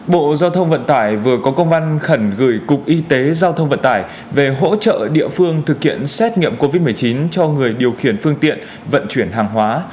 bộ giao thông vận tải vừa có công văn khẩn gửi cục y tế giao thông vận tải về hỗ trợ địa phương thực hiện xét nghiệm covid một mươi chín cho người điều khiển phương tiện vận chuyển hàng hóa